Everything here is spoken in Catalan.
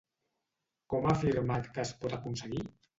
Com ha afirmat que es pot aconseguir?